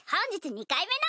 ２回目の！